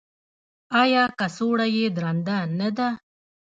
ایا کڅوړه یې درنده نه ده؟